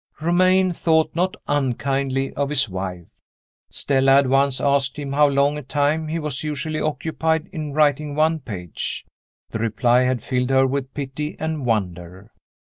Romayne thought not unkindly of his wife. Stella had once asked him how long a time he was usually occupied in writing one page. The reply had filled her with pity and wonder.